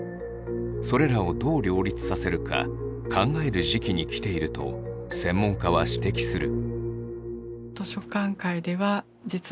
それらをどう両立させるか考える時期に来ていると専門家は指摘する。